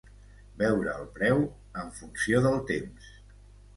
"Veure el preu en funció del temps".